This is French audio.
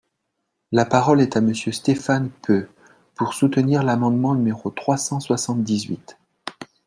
La parole est à Monsieur Stéphane Peu, pour soutenir l’amendement numéro trois cent soixante-dix-huit.